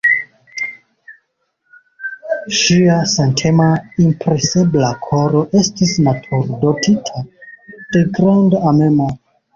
Ŝia sentema, impresebla koro estis naturdotita de granda amemo.